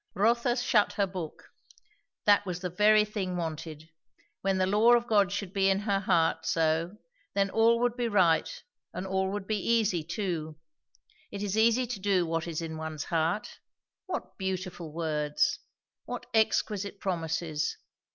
Rotha shut her book. That was the very thing wanted. When the law of God should be in her heart so, then all would be right, and all would be easy too. It is easy to do what is in one's heart. What beautiful words! what exquisite promises!